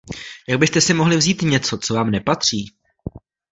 Jak byste si mohli vzít něco, co vám nepatří?